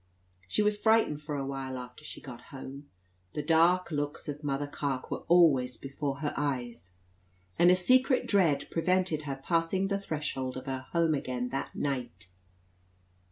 She was frightened for a while after she got home. The dark looks of Mother Carke were always before her eyes, and a secret dread prevented her passing the threshold of her home again that night.